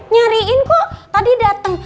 nyariin kok tadi dateng